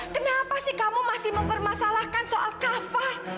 kenapa sih kamu masih mempermasalahkan soal kafah